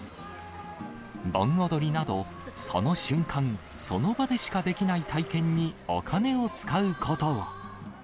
盆踊りなど、その瞬間、その場でしかできない体験にお金を使ことを。